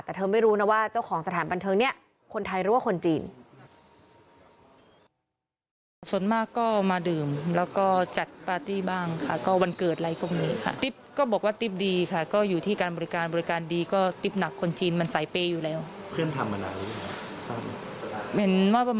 แต่เธอไม่รู้นะว่าเจ้าของสถานบันเทิงนี้คนไทยหรือว่าคนจีน